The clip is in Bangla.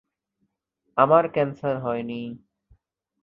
আমার ক্যান্সার হয়নি।